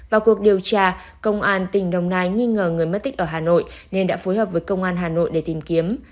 vào cuộc điều tra công an tỉnh đồng nai nghi ngờ người mất tích ở hà nội nên đã phối hợp với công an hà nội để tìm kiếm